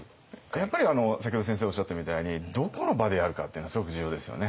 やっぱり先ほど先生おっしゃったみたいにどこの場でやるかっていうのはすごく重要ですよね。